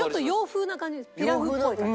ピラフっぽい感じ？